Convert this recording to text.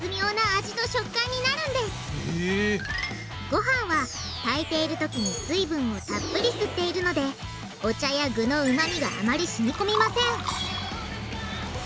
ごはんは炊いているときに水分をたっぷり吸っているのでお茶や具のうまみがあまりしみこみません